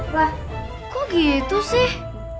wah kok gitu sih